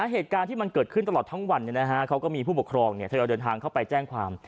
เหตุการณ์ที่มันเกิดขึ้นตลอดทั้งวันเขาก็มีผู้ปกครองทยอยเดินทางเข้าไปแจ้งความ